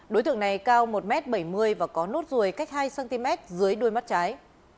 đối tượng này cao một m bảy mươi và có nốt ruồi cách hai cm dưới đuôi mắt trái